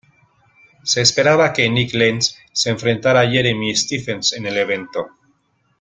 Se esperaba que Nik Lentz se enfrentara a Jeremy Stephens en el evento.